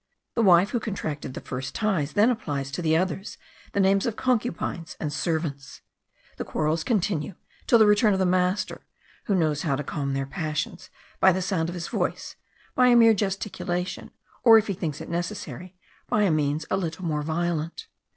The wife who contracted the first ties then applies to the others the names of concubines and servants. The quarrels continue till the return of the master, who knows how to calm their passions by the sound of his voice, by a mere gesticulation, or, if he thinks it necessary, by means a little more violent.